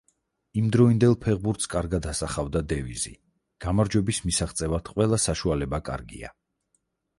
იმდროინდელ ფეხბურთს კარგად ასახავდა დევიზი: „გამარჯვების მისაღწევად ყველა საშუალება კარგია“.